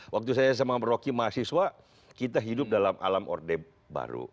waktu saya sama rocky mahasiswa kita hidup dalam alam orde baru